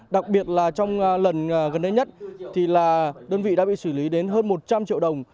đặc biệt là trong lần gần đây nhất thì là đơn vị đã bị xử lý đến hơn một trăm linh triệu đồng